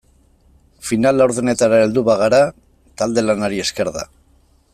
Final laurdenetara heldu bagara talde-lanari esker da.